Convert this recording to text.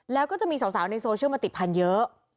แล้วก็จะมีสาวในโซเชียลมาติดพันธุ์เยอะ